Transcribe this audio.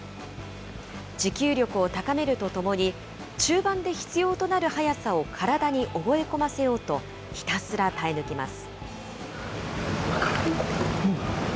持久力を高めるとともに、中盤で必要となる速さを体に覚え込ませようと、ひたすら耐え抜きます。